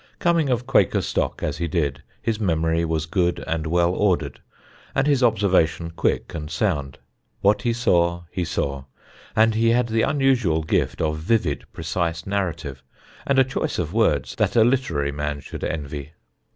Coming of Quaker stock, as he did, his memory was good and well ordered, and his observation quick and sound. What he saw he saw, and he had the unusual gift of vivid precise narrative and a choice of words that a literary man should envy.